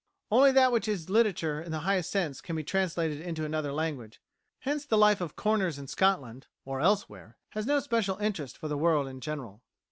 Only that which is literature in the highest sense can be translated into another language; hence the life of corners in Scotland, or elsewhere, has no special interest for the world in general.